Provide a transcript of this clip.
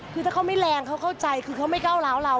คือถ้าเขาไม่แรงเขาเข้าใจคือเขาไม่ก้าวร้าวเรา